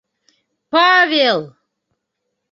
Павел!